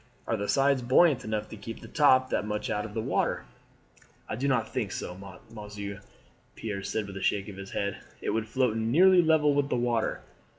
Are the sides buoyant enough to keep the top that much out of water?" "I do not think so, monsieur," Pierre said with a shake of the head. "It would float nearly level with the water."